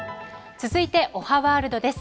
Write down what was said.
続いておはワールドです。